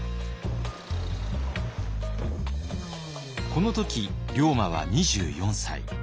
この時龍馬は２４歳。